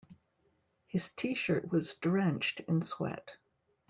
His t-shirt was drenched in sweat.